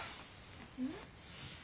うん？